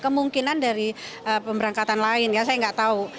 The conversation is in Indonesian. kemungkinan dari pemberangkatan lain ya saya nggak tahu